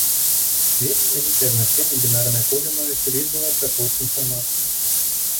Вельмі вялікае значэнне бінарныя коды маюць у лічбавай апрацоўцы інфармацыі.